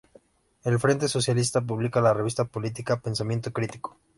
El Frente Socialista publica la revista política "Pensamiento Crítico".